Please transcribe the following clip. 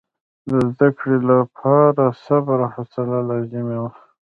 د زده کړې لپاره صبر او حوصله لازمي وه.